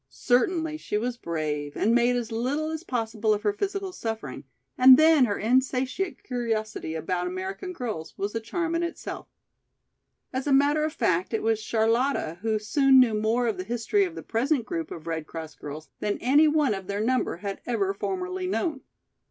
Certainly she was brave and made as little as possible of her physical suffering, and then her insatiate curiosity about American girls was a charm in itself. As a matter of fact it was Charlotta who soon knew more of the history of the present group of Red Cross girls than any one of their number had ever formerly known.